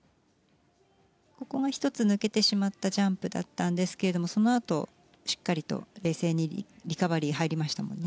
ここは１つ抜けてしまったジャンプだったんですがそのあと、しっかりと冷静にリカバリー入りましたもんね。